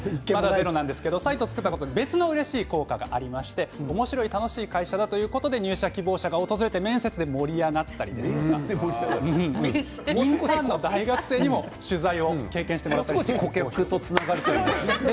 サイトを作ったことで別のうれしい効果がありましておもしろい、楽しい会社だということで入社希望者が訪れて面接で盛り上がったりインターンの大学生にも取材を経験してもらったり。